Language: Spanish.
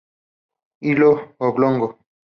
Hilo oblongo.